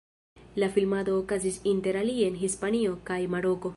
La filmado okazis inter alie en Hispanio kaj Maroko.